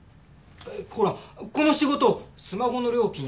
ほらこの仕事スマホの料金